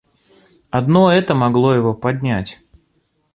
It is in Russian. Одно это могло его поднять.